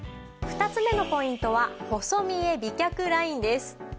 ２つ目のポイントは細見え美脚ラインです。